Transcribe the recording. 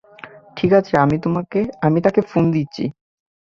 ঠিক আছে, আমি তাকে ফোন দিচ্ছি।